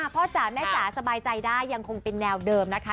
จ๋าแม่จ๋าสบายใจได้ยังคงเป็นแนวเดิมนะคะ